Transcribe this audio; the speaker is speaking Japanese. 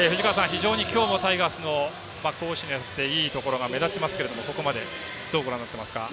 非常に今日のタイガース攻守にわたっていいところが目立ちますけれどもここまでどうご覧になってますか。